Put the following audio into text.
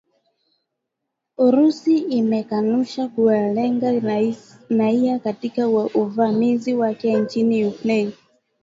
Urusi imekanusha kuwalenga raia katika uvamizi wake nchini Ukraine